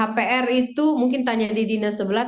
tapi kalau vaksin untuk hpr itu mungkin tanya di dinas sebelah